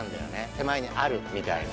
手前にあるみたいな。